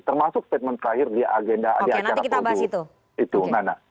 termasuk statement terakhir di agenda di akar tujuh itu mana